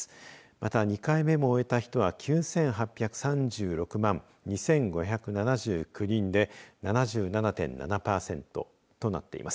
また、２回目も終えた人は９８３６万２５７９人で７７．７パーセントとなっています。